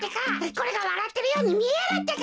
これがわらってるようにみえるってか？